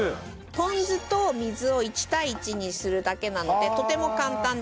ポン酢と水を１対１にするだけなのでとても簡単です。